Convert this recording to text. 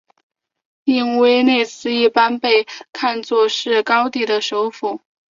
印威内斯一般被看作是高地的首府。